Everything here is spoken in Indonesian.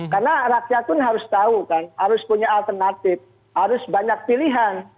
karena rakyat pun harus tahu kan harus punya alternatif harus banyak pilihan